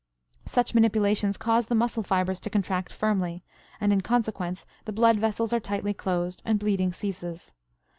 Such manipulations cause the muscle fibers to contract firmly, and in consequence the blood vessels are tightly closed and bleeding ceases.